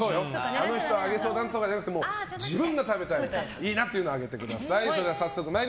あの人上げそうじゃなくて自分が食べたいいいなというのを上げてください。